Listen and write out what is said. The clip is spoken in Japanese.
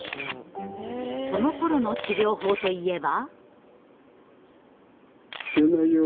そのころの治療法といえば。